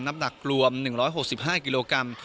น้ำหนักรวม๑๖๕กิโลกรัม